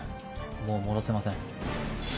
もう戻せません。